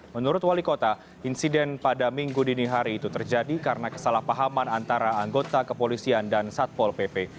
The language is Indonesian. menurut wali kota insiden pada minggu dini hari itu terjadi karena kesalahpahaman antara anggota kepolisian dan satpol pp